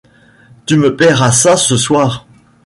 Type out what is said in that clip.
Tu me paieras ça ce soir.